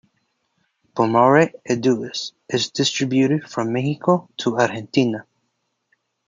"Bomarea edulis" is distributed from Mexico to Argentina.